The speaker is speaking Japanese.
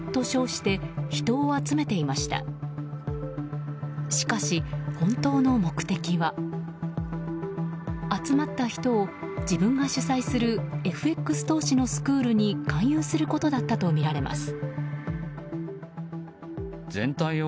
しかし、本当の目的は集まった人を、自分が主催するＦＸ投資のスクールに勧誘することだったとみられます。